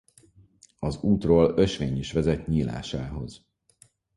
Az útról ösvény is vezet nyílásához.